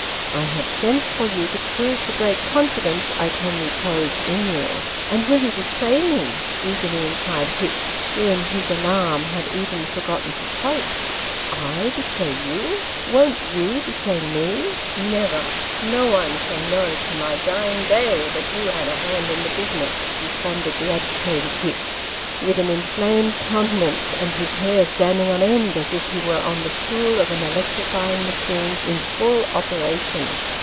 " I have sent for you to prove the great confidence I can repose in you." " And will you betray me ?" eagerly inquired Hicks, who in his alarm had even forgotten to quote. "/ betray you ! Won't you betray me ?"" Never : no one shall know, to my dying day, that you had a hand in the business," responded the agitated Hicks, with an inflamed countenance, and his hair standing on end as if he were on the stool of an electrifying machine in full operation.